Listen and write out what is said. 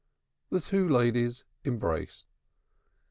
The two ladies embraced.